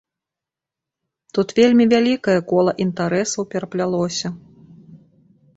Тут вельмі вялікае кола інтарэсаў пераплялося.